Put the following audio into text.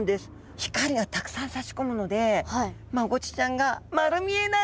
光がたくさんさし込むのでマゴチちゃんが丸見えなんです。